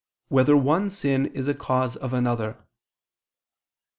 4] Whether One Sin Is a Cause of Another?